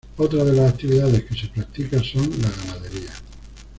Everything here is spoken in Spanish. Otras de las actividades que se practican son la ganadería.